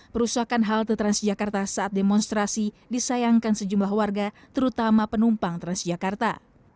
perusakan halte transjakarta saat demonstrasi disayangkan sejumlah warga terutama penumpang transjakarta